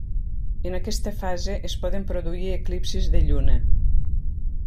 En aquesta fase es poden produir eclipsis de Lluna.